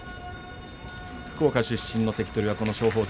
福岡出身の関取は松鳳山